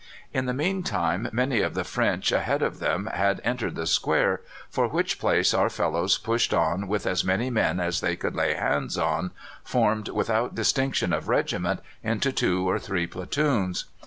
In the meantime many of the French ahead of them had entered the square, for which place our fellows pushed on with as many men as they could lay hands on, formed without distinction of regiment, into two or three platoons.